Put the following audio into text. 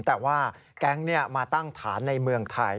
แต่ว่าแก๊งมาตั้งฐานในเมืองไทย